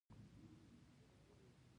او د مینه والو تنده یې ورباندې خړوب کړه